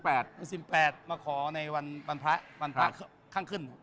ต้องถือศีล๘มาขอในวันพระขึ้น